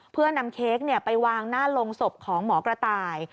เพื่อนำเค้กไปวางหน้าลงศพของหมอกระต่าย